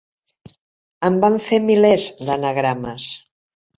En van fer milers, d'anagrames.